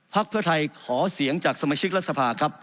เพื่อไทยขอเสียงจากสมาชิกรัฐสภาครับ